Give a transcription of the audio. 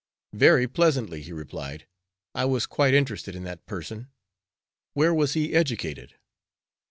"Very pleasantly," he replied. "I was quite interested in that parson. Where was he educated?"